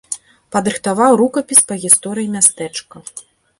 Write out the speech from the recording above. Падрыхтаваў рукапіс па гісторыі мястэчка.